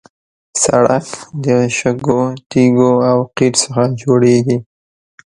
سړک د شګو، تیږو او قیر څخه جوړېږي.